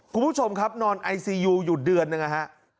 คุณผู้ชมครับนอนไอซียูอยู่เดือนนะครับ